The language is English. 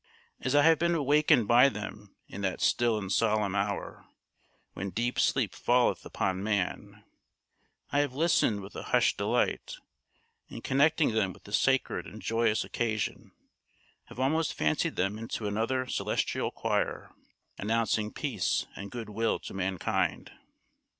As I have been awakened by them in that still and solemn hour, "when deep sleep falleth upon man," I have listened with a hushed delight, and connecting them with the sacred and joyous occasion, have almost fancied them into another celestial choir, announcing peace and good will to mankind.